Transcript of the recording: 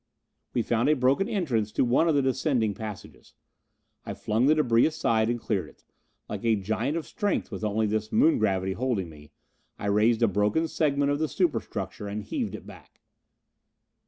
We found a broken entrance to one of the descending passages. I flung the debris aside and cleared it. Like a giant of strength with only this Moon gravity holding me, I raised a broken segment of the superstructure and heaved it back.